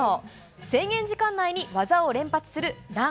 制限時間内に技を連発するラン。